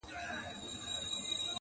په خپله کوڅه کي سپى هم، زمرى وي.